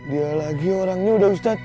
dia lagi orangnya udah ustadz